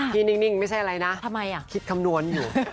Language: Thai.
นิ่งไม่ใช่อะไรนะคิดคำนวณอยู่